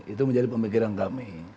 itu menjadi pemikiran kami